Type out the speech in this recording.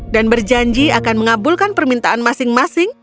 dan berjanji akan mengabulkan permintaan masing masing